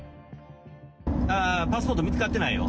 パスポート見つかってないよ。